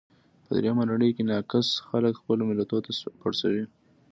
په درېیمه نړۍ کې ناکس خلګ خپلو ملتو ته پړسوي.